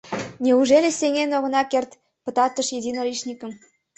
Неужели сеҥен она керт пытартыш единоличникым?